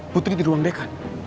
putri di ruang dekat